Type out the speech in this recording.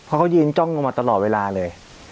เพราะเขายืนจ้องลงมาตลอดเวลาเลย